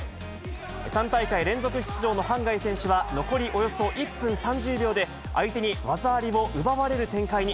３大会連続出場の半谷選手は、残りおよそ１分３０秒で相手に技ありを奪われる展開に。